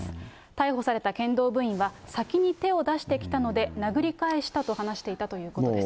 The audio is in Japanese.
逮捕された剣道部員は、先に手を出してきたので、殴り返したと話していたということです。